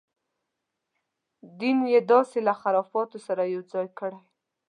دین یې داسې له خرافاتو سره یو ځای کړی.